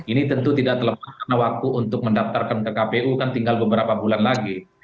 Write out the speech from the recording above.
ini tentu tidak terlepas karena waktu untuk mendaftarkan ke kpu kan tinggal beberapa bulan lagi